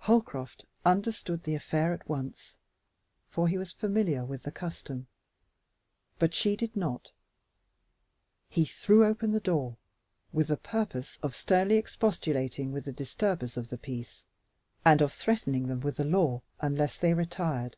Holcroft understood the affair at once, for he was familiar with the custom, but she did not. He threw open the door with the purpose of sternly expostulating with the disturbers of the peace and of threatening them with the law unless they retired.